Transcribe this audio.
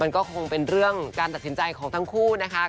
ก็คงเป็นเรื่องการตัดสินใจของทั้งคู่นะคะ